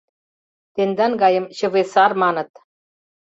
— Тендан гайым чыве сар маныт.